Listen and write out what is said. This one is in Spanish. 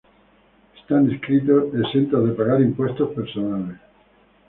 Están exentos de pagar impuestos personales.